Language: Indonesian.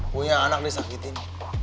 punya anak disakitin